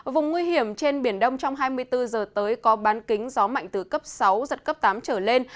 vùng nguy hiểm trên biển đông trong hai mươi bốn giờ tới có bán kính gió mạnh từ cấp sáu giật cấp tám trở lên